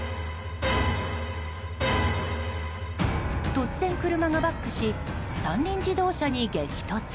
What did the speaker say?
突然、車がバックし三輪自動車に激突。